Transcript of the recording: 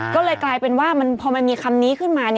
ก็เลยกลายเป็นว่าพอมันมีคำนี้ขึ้นมา